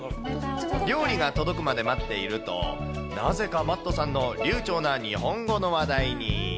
料理が届くまで待っていると、なぜかマットさんの流ちょうな日本語の話題に。